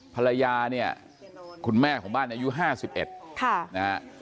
ภรรยาเนี่ยคุณแม่ของบ้านอายุห้าสิบเอ็ดค่ะนะฮะ